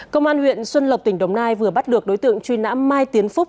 công an huyện xuân lộc tỉnh đồng nai vừa bắt được đối tượng truy nã mai tiến phúc